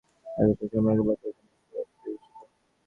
এইরূপে সমগ্র ব্রহ্মাণ্ড যেন স্তরে স্তরে বিরচিত।